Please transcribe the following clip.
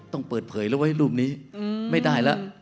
ต้องเปิดเผยแล้วไว้รูปนี้ไม่ได้แล้ว